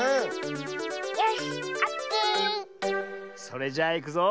それじゃあいくぞ。